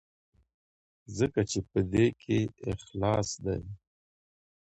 ځکه چې په دې کې اخلاص دی.